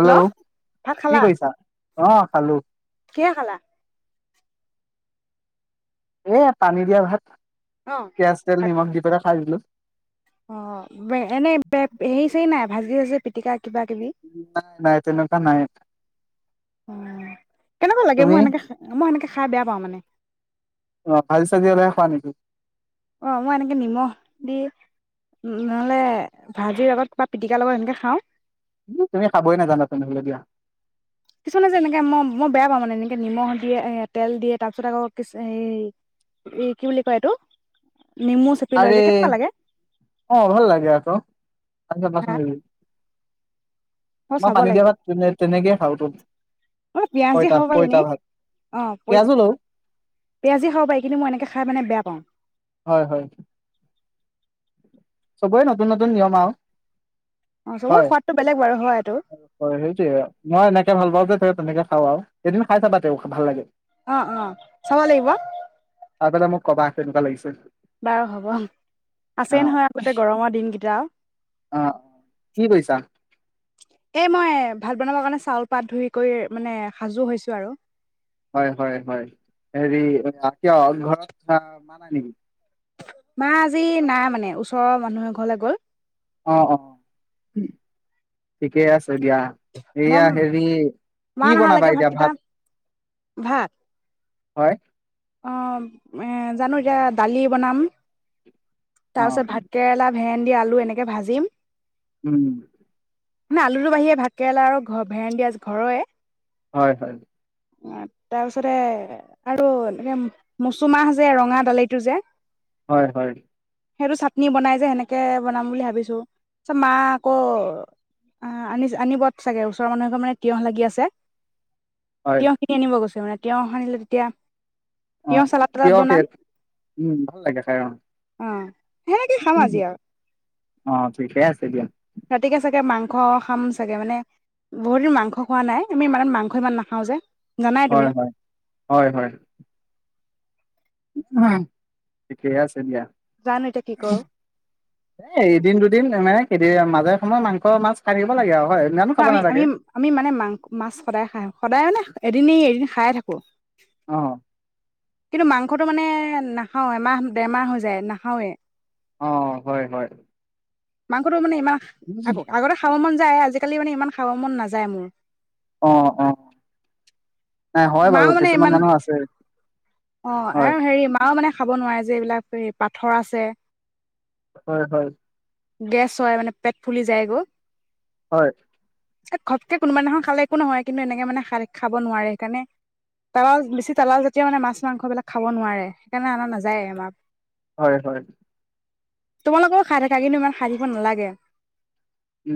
Hello ভাত খালা কি কৰিছা আহ খালো কিহে খালা এ পানী দিয়া ভাত অ পিয়াঁজ তেল নিমখ দি পেলাই খাই দিলো নাই অ বে এনেই বে সেই চেই নাই ভাজি আছে পিটিকা এ কিবা কিবি নাই তেনেকুৱা নাই অ কেনেকুৱা লাগে তুমি মই এনেকে মই এনেকে খাই বেয়া পাওঁ মানে অ ভাল চবজি হ'লেহে খোৱা নেকি অ মই এনেকে নিমখ দি উ নহ'লে ভাজিৰ লগত বা পিটিকাৰ লগত এনেকে খাওঁ তুমি খাবই নেজানা তেনে হ'লে দিয়া কিছুমানে যে এনেকে মই মই বেয়া পাওঁ মানে এনেকে নিমখ দিয়ে এ তেল দিয়ে তাৰ পিছত আকৌ কি হেই কি বুলি কয় এইটো নেমু চেপি লয় আৰে যে কেনেকুৱা লাগে অ ভাল লাগে আক আ পাচ অ চাব লাগিব তেনে তেনেকেই খাওঁ তো অ পিয়াঁজ দি পইতা খাব পাৰি পইতা এনেই ভাত অ প পিয়াজো লওঁ পিয়াঁজ দি খাব পাৰি কিন্তু মই এনেকে খাই মানে বেয়া পাওঁ হয় হয় চবৰে নতুন নতুন নিয়ম আৱ অ চবৰে হয় সোৱাদটো বেলেগ বাৰু হয় এইটো হয় সেইটোয়ে মই এনেকে ভাল পাওঁ যে তেনেকে খাওঁ আৱ এদিন খাই চাবা তেওঁ ভাল লাগে অ অ চাব লাগিব আ মোক কবা কেনেকুৱা লাগিছে বাৰ হ'ব অ আছেই নহয় আগতে গৰমৰ দিনকেইটা অ কি কৰিছা? এ মই ভাত বনাব কাৰণে চাউল পাত ধুই কৰি মানে সাজু হৈছো আৰু হয় হয় হয় হেৰি কিয় ঘৰত আহ মানা নেকি মা আজি নাই মানে ওচৰৰ মানুহৰ ঘৰলৈ গ'ল অ অ ঠিকেই আছে এ দিয়া মই এয়া হেৰি মা কি বনাবা নাহালৈকে এতিয়া ভাতকেইটা ভাত ভাত হয় অ জানো এতিয়া দালি বনাম অ তাৰ পিছত ভাতকেৰেলা ভেন্দি আলু এনেকে ভাজিম উম। মানে, আলুটো বাহিৰে ভাতকেৰেলা আৰু ঘৰ ভেণ্ডি ঘৰৰে। হয়, হয়। অ' তাৰপিছতে আৰু একে মচুমাহ যে ৰঙা দালিটো যে। হয়, হয়। সেইটো চাটনি বনাই যে সেনেকে বনাম বুলি ভাবিছো, তাৰপিছত মা আকৌ আহ আনি আনিব চাগে ওচৰৰ মানুহ মানুহ এঘৰত মানে তিয়হ লাগি আছে। হয় তিয়হ কিনি আনিব গৈছে মানে। তিয়হ আনিলে তেতিয়া তিয়হ অ' চালাদ তালাদ তিয়হ বনাম খেত, উম ভাল লাগে খাই অ'। অ' সেনেকে খাম আজি আও। অ' ঠিকে আছে দিয়া। ৰাতিকে চাগে মাংস খাম চাগে মানে বহুত দিন মাংস খোৱা নাই, আমি মানে মাংস ইমান নাখাও যে। জানাই তুমি হয় হয়, হয় হয়। উমহোঁ, ঠিকেই আছে দিয়া। জানো এতিয়া কি কৰো এ, এদিন-দুদিন মানে [unintelligible] মাজে সময়ে মাংস মাছ খাই থাকিব লাগে আৰু। হয় ইমানো ন খাব আমি আমি নালাগে আমি মানে মাং মাছ সদায় খাই সদায় মানে এদিন এৰি এদিন খাইয়ে থাকো। অঁহ। কিন্তু মাংসটো মানে নাখাও, এমাহ-ডেৰমাহ হৈ যায় নাখাওৱে। অ' হয় হয়। মাংসটো মানে আকৌ আগতে খাব মন যাই আজিকালি মানে ইমান খাব মন নাযায় মোৰ। অ অ নাই হয় বাৰু মাও মানে কিছুমান ইমান মানুহ আছে অ হয় আৰু হেৰি মাও মানে খাব নোৱাৰে যে এইবিলাক এই পাথৰ আছে। হয় হয়। গেছ হয় মানে পেট ফুলি যায় গৈ। হয়। ঘটকে কোনোবা দিনাখন খালে একো নহয় কিন্তু এনেকে মানে খ খাব নোৱাৰে সেইকাৰণে তাল বেছি তাল জাতীয় মানে মাছ মাংসবলাক খাব নোৱাৰে সেইকাৰণে অনা নাযায় আমা হয় হয়। তোমালোকৰ খা কিন্তু ইমান সাৰিব নালাগে। উ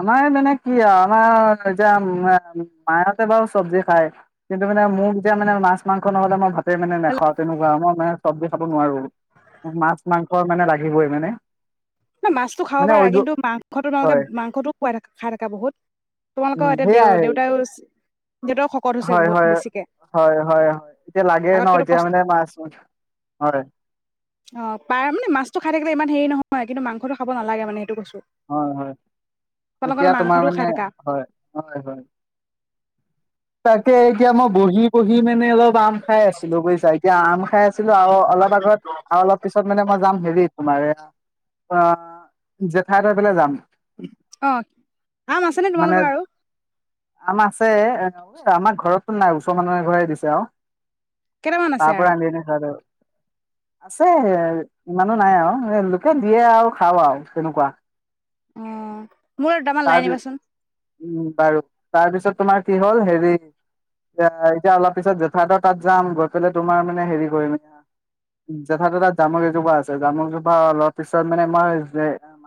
আমাৰ মানে কি আৰু আমাৰ এতিয়া মায়তে বাৰু চব্জি খায় কিন্তু মানে মোক এতিয়া মানে মাছ মাংস নহ'লে মই ভাত তা মানে নাখাওঁ হেল্ল তেনেকুৱা মই মানে চব্জ খাব নোৱাৰো মাছ মাংস ৰ মানে লাগিবই মানে ন মাছটো খাব মানে পাৰা অইল কিন্তু মাংস তোমালোকে হয় মাংসটোও খাই থ খাই থাকা বহুত উম তোমালোকৰ এতিয়া দে সেয়াই দেউতা দেহতৰ শকত হৈছে হয় বহুত হয় বেছিকে হয় হয় হয় এতিয়া লাগে ন আগতকো এতিয়া কষ্ট মানে মাছ হয় আহ পাৰ মানে মাছটো খাই থাকিলে ইমান হেই নহয় কিন্তু মা‌ংখটো খাবনালাগে নে সেটো্ হয় এতিয়া তোমাৰ মাংসটো মানে খাই থাকা হয় হয় হয় তাকে এতিয়া মই বহি বহি মানে অলপ আম খাই আছিলো বুজছা এতিয়া আম খাই আছিলো আৰু অলপ আগত আৰু অলপ পিছত মানে মই যাম হেৰি তোমাৰে অ চাই থৈ পেলাই যাম অ আম আছেনেে মানে তোমালোকৰ আৰু আম আছে আমাক ঘৰতো নাই ওচৰ মানুহে ঘৰেই দিছে আৰু কেইটামান আছে আৰু তাপৰা আ দি ন চাৰ আছে ইমানো নাই আৰু এ লোকে দিয়ে আৰু খাও আৰু তেনেকুৱা অ মোৰ তামান তাৰ লাই আনিবাচোন উম বাৰু তাৰপিছত তোমাৰ কি হল হেৰি এ এতিয়া অলপ পিছত জেঠাৰ্থ তাত যাম গৈ পেলাই তোমাৰ মানে হেৰি কৰিম জেঠাৰ্থ তাত জামুক এজোপা আছে জামুক এজোপা অলপ পিছত মানে মই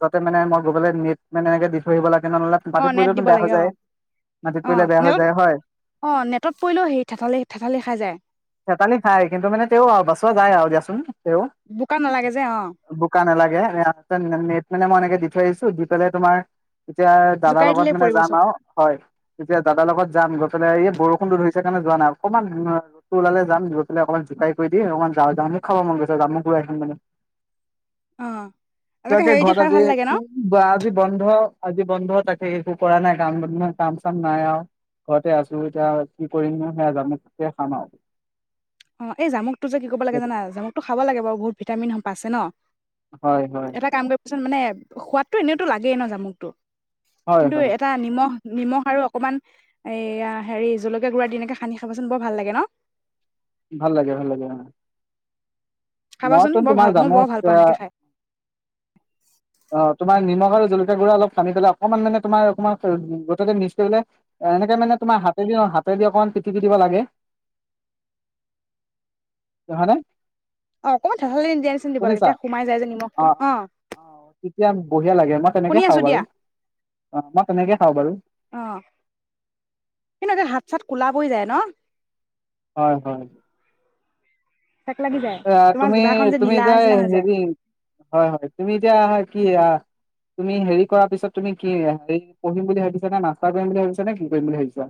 যাতে মে মই গগলে নে মানে এনেকে দি ধৰিব লাগে [unintelligible] নলে অ মাটিত নেট পৰিৰিলেতো দিব বেয়া হৈ লাগে অ যায় মাটিত অ পৰিলে বেয়া হৈ নেটত যায় হয় অ নেটত পৰিলেও হেৰি ঠেঠালি ঠেঠালি খাই যায় থেতালি খাই কিন্তু মানে তে আৰু বাচোৱা যায় আৰু দিয়াচোন তে বোকা নালাগে যে অ বোকা নালাগে মই এনেকে দি থৈ আহছো দি পেলাই তোমাৰ তেতিয়া দাদাৰ জোকাৰি দিলে লগত মানে পৰিব যাম চব আৰু হয় তেতিয়া দাদাৰ লগত যাম গৈ পেলাই এই বৰষুণ দ ধৰি কাৰণে যোৱা নাই অকমান ওলালে যাম দি পেলাই অকণমান জোকাই কৰি দি অকমান যাওঁ যা ম খাব মন গৈছে যাম ম ঘূৰা আহম মানে অ তাকে হেৰি দি ঘৰত খাই আজি ভাল লাগে ন আজি বন্ধ আজি বন্ধ তাকে একো কৰা নাই কাম কাম চাম নাই আৰু ঘৰতে আছো এতিয়া কি কৰিম নু, সেয়া [unintelligible] খাম আৰু। অঁ এই জামুকটো যে কি কৰিবব লাগে জানা, জামুকতটো খাব লাগে বাৰু বহুত ভিটামিন প আছে ন। হয় হয় এটা কাম কৰিবাচোন মানে, সোৱাদটো এনে টো লাগেই ন জামুকটো। হয় কিন্তু হয় এটা নিমখ নিমখ আৰু অকমান এইয়া হেৰি জলকীয়া গুড়া দি এনেকে সানি খাবাচোন বৰ ভাল লাগে ন। ভাল লাগে ভাল লাগে অ। খাবাচোন মইতো বৰ তোমাৰ ভাল মই জামুক বৰ ভাল পাওঁ এনেকে খাই। [inaudible] অঁ তোমাৰ নিমখ আৰু জলকীয়া গুড়া অলপ সানি পেলাই অকমান মানে তোমাৰ অকমান গোটটো মিক্স কৰি পেলাই এনেকে মানে তোমাৰ হাতেদি-হাতেদি অকমান পিটিকি দিব লাগে, হয়নে। অঁ, অকণমান [unintelligible] দিয়া নিচিনাকে দিব লাগে, শুনিছা তেতিয়া সোমাই যায় যে নিমখটো অ অঁ। অ অ তেতিয়া লাগে মই তেনেকে খাওঁ বাৰু, অঁ, মই তেনেকে খাওঁ বাৰু। অ কুলা পৰি যায় ন। হয়-হয়। চেক লাগি যায় অঁ, তোমাৰ জিভাখন তুমি-তুমি নীলা যে নিচিনা হৈ যায় হেৰি, হয়-হয় তুমি এতিয়া কি তুমি হেৰি কৰাৰ পিছত তুমি কি হেৰি পঢ়িম বুলি ভাবিছা নে মাষ্টাৰ কৰিম বুলি ভাবিছা নে কি কৰিম বুলি ভাবিছা।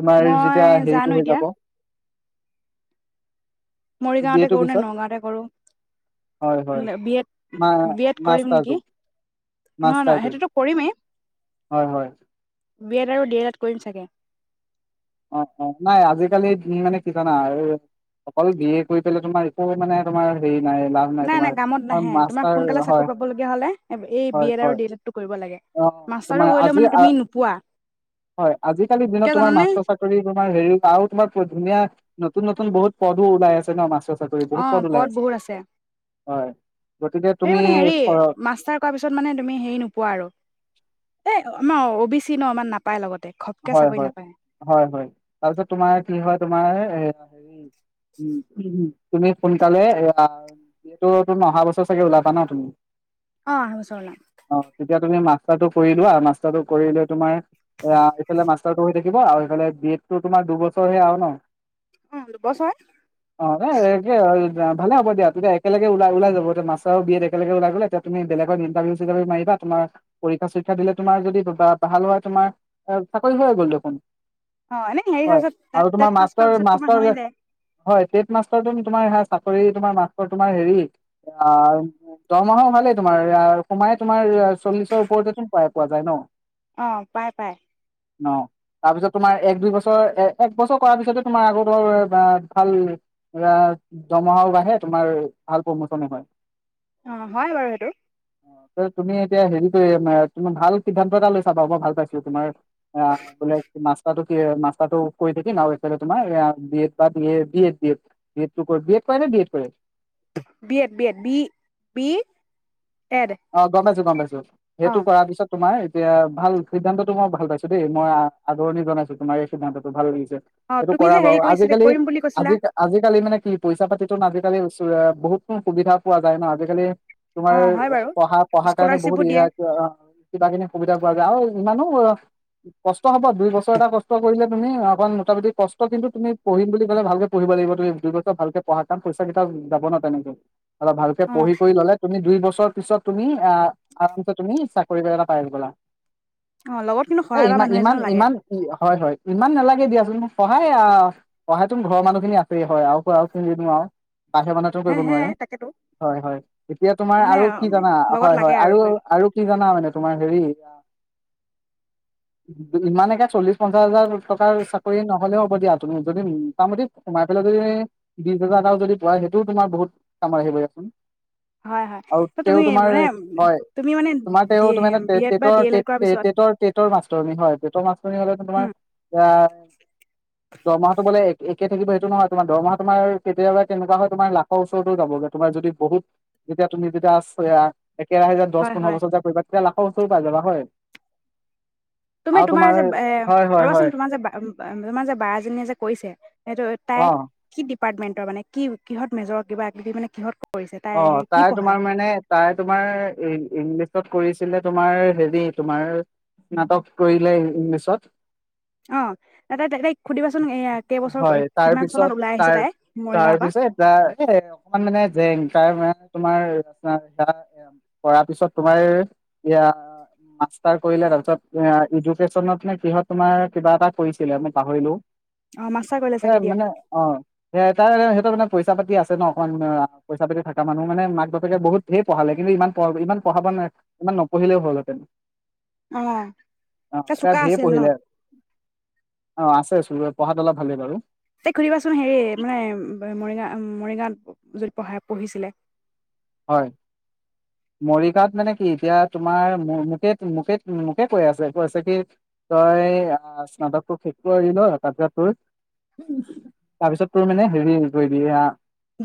তোমাৰ মই যেতিয়া জানো হেৰিটো হৈ এতিয়া যাব। বি মৰিগাঁওতে এটোৰ কৰো নে পিছত নগাঁওতে কৰো, হয় হয় বি এড- মা বি এড কৰিম মাষ্টাৰটো নেকি, নহয় নহয় সেইটোতো কৰিমেই। হয়-হয়। বি এড আৰু ডি এল এড কৰিম চাগে। অঁ, অ, নাই আজিকালি মানে কি জানা অকলো বি এ কৰি পেলাই তোমাৰ একোৱে মানে তোমাৰ হেৰি নাই লাভ নাই তোমাৰ নাই-নাই কামত নাহে তোমাৰ মাষ্টাৰ সোনকালে হয় চাকৰি হয় পাবলগীয়া হলে এই হয় বি এড আৰু হয় ডি এল এড এডটো কৰিব লাগে, অ মাষ্টাৰো তোমাৰ কৰিলে মানে আজি তুমি নোপোৱা, হয় আজিকালিৰ দিনত কিয় তোমাৰ জানানে? মাষ্টৰ চাকৰি তোমাৰ হেৰি আৰু তোমাৰ ধুনীয়া নতুন-নতুন বহুত পদো ওলাই আছে ন মাষ্টৰ চাকৰি বহুত অঁ ওলাই পদ বহুত আছে। হয়। তুমি মানে হেৰি, মাষ্টাৰ কৰা পিছত মানে তুমি হেৰি নোপোৱা আৰু এ আমাৰ অ বি চি ন আমাৰ নাপায় লগতে। ঘপকে হয় চাকৰি নাপায় হয়-হয়-হয় তাৰপিছত তোমাৰ কি হয় তোমাৰ [unintelligible] [unintelligible] তুমি সোনকালে এ [unintelligible] তুমি অহা বছৰ চাগে ওলাবা ন তুমি। অ আঢ়ৈ বছৰ লয় অঁ তেতিয়া তুমি মাছ টো কৰি লোৱা আৰু মাষ্টাৰটো কৰিলৈ তোমাৰ এ সেইফালে মাষ্টাৰটো হৈ থাকিব আৰু সেইফালে বি এড টো তোমাৰ দুবছৰ হে আৰু ন। অ দুবছৰ অ নে কি‌ আৰু ভালে হ'ব দিয়া, তেতিয়া একেলগে ওলাই ওলাই যাব। এতিয়া মাষ্টাৰ আৰু বি এড একেলগ ওলাই গ'লে, এতিয়া তুমি বলেগত ইণ্টাৰভিউ চিটাৰভিউ মাৰিবা, তোমাৰ পৰীক্ষা চৰীক্ষা দিলে তোমাৰ যদি বা ভাল হয়, তুমাৰ চাকৰি হয়ে গ'ল দেখোন। অ এনে হেৰি হোৱাৰ হয়, পিছত টেট আৰু টেট তোমাৰ পাছ কৰাৰ মাষ্টৰ, পিছত তোমাৰ মাষ্টৰ, হৈ যায় টেট মাষ্টৰ [unintelligible] তোমাৰ চাকৰি তোমাৰ মাষ্টৰ, তোমাৰ হেৰি, অ'হ দৰমাহাও ভালেই, তোমাৰ সোমাই তোমাৰ, চল্লিশৰ ওপৰতে তো পাই, পোৱা যায় ন। অ পাই। ‌পাই। ন তাৰ পিছত তোমাৰ এক দুই বছৰ এক বছৰ কৰাৰ পিছতে তোমাৰ আকৌ ধৰ ভাল দৰমহাও বাঢ়ে তোমাৰ ভাল প্ৰমোচনে হয়। অ হয় বাৰু সেইটো। তুমি এতিয়া হেৰিয়ে তুমাৰ ভাল সিদ্ধান্ত এটা লৈছা বাৰু মই ভাল পাইছোঁ। তোমাৰ অ বোলে মাষ্টাৰটো। মাষ্টাৰটো কৰি থাকিম আৰু এইফালে তোমাৰ বি এড বা B Ed, B A, B Ed B Ed. B Ed কৰে নে বি এ কৰে। B Ed B Ed, B B Ed অ গম পাইছোঁ। পাইছোঁ। অ সেইটো কৰাৰ পিছত তোমাৰ এতিয়া ভাল, সিদ্ধান্ততটো মই ভাল পাইছোঁ, দেই, মই আদৰণি জনাইছোঁ তোমাৰ এই সিদ্ধান্তটো ভাল। অ এইটো তুমি কৰা যে হেৰি বাৰু, কৰিছিলে আজিকালি, কৰিম বুলি কৈছিলা আজি, আজিকালি মানে কি, পইচা পাতি তো আজিকালি বহুতো সুবিধা পোৱা যায় ন, আজিকালি। তোমাৰ। অ হয় বাৰু পঢ়া পঢ়াৰ কাৰণে বহুত স্কলাৰশ্বিপো ই, দিয়ে কিবা, ইমানখিনি নি সুবিধা পোৱা যায় আৰু ইমানো কষ্ট হ'ব, দুই বছৰ এটা কষ্ট কৰিলে তুমি অকণ মোটামুটি কষ্ট কিন্তু তুমি পঢ়িম বুলি ক'লে ভালকে পঢ়িব লাগিব। তুমি দুই বছৰ ভালকে পঢ়া কাৰণ পইচা কেইটা যাব ন তেনেকে। অলপ ভালকে অ পঢ়ি কৰি ল'লে, তুমি দুই বছৰ পিছত তুমি অ' কি কয়, তুমি চাকৰি পেক এটা পাই গ'লা। অ লগত কিন্তু এই সহায় কৰা ইমান, মানুহ ইমান, এজনো লাগে ইমান হয়, হয়, ইমান নালাগে। দিয়াচোন সহায় অ'হ সহায় তো ঘৰৰ মানুহ খিনি আছেই, হয় আৰু [unintelligible] আৰু। বাহিৰ মানুহেতো হে কৰিব হে নোৱাৰে, তাকেতো হয়, হয়, এতিয়া তোমাৰ মানে আৰু কি উম, জানা লগত হয়, লাগে হয়, আৰু তোমাক আৰু কি জানা মানে তোমাৰ হেৰি ইমানকে চল্লিশ পঞ্চাশ হাজাৰ টকাৰ চাকৰি নহলেও হ'ব দিয়া তুমি যদি মোটামুটি সোমাই পেলাই যদি বিশ হাজাৰ এটাও যদি পোৱা সেইটোও তোমাৰ বহুত কামত আহিব, ইয়াত। হয়। হয়। ত তেও তুমি তোমাৰ, মানে হয়, তুমি মানে তোমাৰ তেও ডি তোমাৰে বি এড বা ডি টেটৰ, এল এড কৰাৰ পিছত টেটৰ, টেটৰ মাষ্টৰণী হয়, টেটৰ মাষ্টৰণী হ'লে তোমাৰ উম এ দৰমহাটো বোলে একে একে থাকিব সেইটো নহয়, তোমাৰ দৰমহা, তোমাৰ কেতিয়াবা কেনেকুৱা হয় তোমাৰ লাখৰ ওচৰতো যাবগে, তোমাৰ যদি বহুত, যেতিয়া তুমি যেতিয়া হৈয়া। একৰাহে‌ যে দহ হয় পোন্ধৰ হয় বছৰ যে কৰিবা, তেতিয়া‌ লাভ সহজেই পাই যাবা হয় তুমি তোমাৰ যে এ হয় হয় ৰবাচোন হয় তোমাৰ যে তোমাৰ যে বা এজনীয়ে যেন কৰিছে সেইটো তাই অ কি ডিপাৰটমেণ্টৰ মানে কি কিহত মেজৰ কিবা কিবি মানে কিহত কৰিছে তাই অ হেৰি কি তাই তোমাৰ পঢ়ায় মানে তাই তোমাৰ ই ইংলিছ ত কৰিছিলে তোমাৰ হেৰি তোমাৰ স্নাতক কৰিলে ইংলিছত অ তা তাই তাইক সুধিবাচোন এ কেইবছৰ হয় কিমান চনত তাৰপিছত ওলাই আহিছে তাৰ তাই মৰিগাঁওৰ পা তাৰপিছত তোমাৰ তোমাৰ অ কৰাৰ পিছত তোমাৰ ইয়া মাৰ্ষ্টাছ কৰিলে তাৰপিছত এডুকেশনত নে কিহত তোমাৰ কিবা এটা কৰিছিলে মই পাহৰিলো অ মাষ্টাৰ কৰিলে ও এ চাগে দিয়া মানে অ সটা [inaudible] তাৰমানে পইচা পাতি আছে ন অকন পইচা পাতি থাকা মানুহ মানে মাক বাপে বহুত ঢেৰ পঢ়ালে কিন্তু ইমান পঢা ইমান পঢ়াব ন ইমান নপহিলেও হ'লহেঁতেন অ অ তাই এতিয়া চোকা ঢেৰ আছিল ন পহিলে অ আছে তোৰ পঢ়াত অলপ ভালেই বাৰু তাইক সুধিবাচোন হেৰি মানে মৰিগা উম মৰিগাঁৱত যোত পঢ়ায় পঢ়িছিলে হয় মৰিগাঁত মানে কি এতিয়া তোমাৰ মোকে মোকে মোকে কৈ আছে কৈ আছে কি তই স্নাতকটোোক শেষ কৰি এৰি ল তাত তোৰ তাৰপিছত তোৰ মানে হেৰি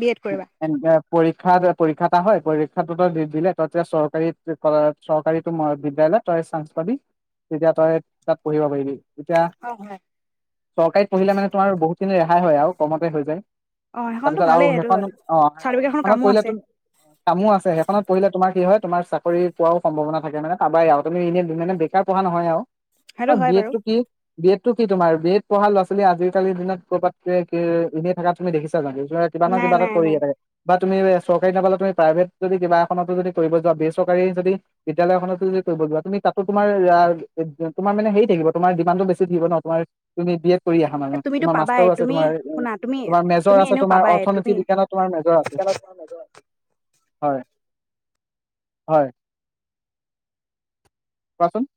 বি এড কৰিবা পৰীক্ষা পৰীক্ষা এটা হয় পৰীক্ষাটো তই দি দিলে তাত যে চৰকাৰী প ম চৰকাৰীতো বিদ্যালয় তই চান্স পাবি তেতিয়া তই তাত পঢ়িব পাৰিবি এতিয়া অ হয়, চৰকাৰীত পঢ়িলে মানে তোমাৰ বহুতখিনি ৰাহি ৰেহাই হয় আৰু কমতে হৈ যায় অ' সেইখনতো তাৰপিছত আৰু ভালেই এইটো সেইখন অ চাৰ্টিফিকেটখন সেইখনত কামো পঢ়িলে আছে তু কামো আছে সেইখনত পঢ়িলে তোমাৰ কি হয় তোমাৰ চাকৰি পোৱাও সম্ভাৱনা থাকে মানে কাৱাৰ আৰু তুমি এনে মানে বেকাৰ পঢ়া নহয় আৰু সেইটো অ হয় বি বাৰু এডটো কি বি এড তো কি তোমাৰ বি এড পঢ়া ল'ৰা ছোৱালী আজিকালিৰ দিনত ক'ৰবাত কি এনে থকা তুমি দেখিছা কিবা ন নাই কিবা এটা নাই নাই কৰিয়ে থাকে বা তুমিয়ে ৰৈ আছ কৰি থাকিলে তুমি প্ৰাইভেট যদি কিবা এখনতো কৰিব যোৱা বেচৰকাৰী যদি বিদ্যালয় এখনতো যদি কৰিব যোৱা তুমি তাতো তোমাৰ তোমাৰ মানে হেৰি মানে তোমাৰ ডিমান্ডটো বেছি থাকিব ন তোমাৰ তুমি বি এড কৰি আহা এ, মানুহ তুমিতো তোমাৰ পাবাই মাষ্টাৰ্চ আছে তুমি তোমাৰ শুনা তুমি তোমাৰ মেজৰ তুমি আছে এনেও তোমাৰ পাবাই অৰ্থনীতি তুমি বিজ্ঞানত তোমাৰ মেজৰ আছে হয় হয় কোৱাচোন